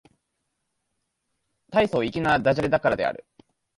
大層粋な駄洒落だからである